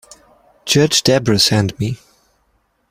Judge Debra sent me.